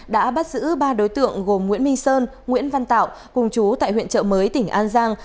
đã bắt giữ ba đối tượng gồm nguyễn minh sơn nguyễn văn tạo cùng chú tại huyện trợ mới tỉnh an giang